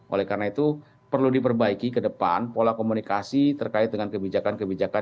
oleh karena itu perlu diperbaiki ke depan pola komunikasi terkait dengan kebijakan kebijakan